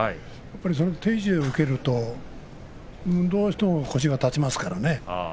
やっぱり定位置で受けるとどうしても腰が立ちますからね。